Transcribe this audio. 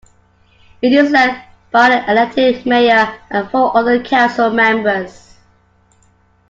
It is led by an elected mayor and four other council members.